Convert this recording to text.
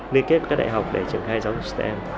liên kết với các đại học